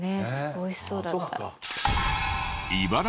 美味しそうだった。